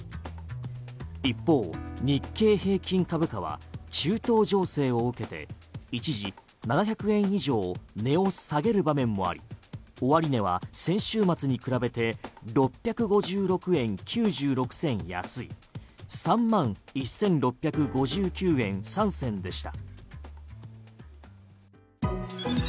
一方、日経平均株価は中東情勢を受けて一時７００円以上値を下げる場面もあり終値は先週末に比べて６５６円９６銭安い３万１６５９円３銭でした。